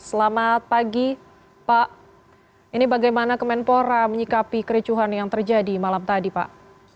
selamat pagi pak ini bagaimana kemenpora menyikapi kericuhan yang terjadi malam tadi pak